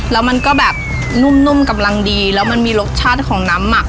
แล้วมันก็แบบนุ่มกำลังดีแล้วมันมีรสชาติของน้ำหมัก